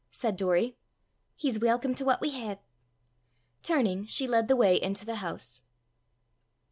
said Doory. "He's welcome to what we hae." Turning, she led the way into the house.